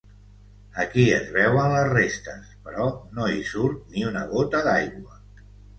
Avui es veuen les restes, però no hi surt ni una gota d'aigua.